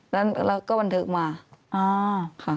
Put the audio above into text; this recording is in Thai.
แล้วเราก็บันทึกมาค่ะ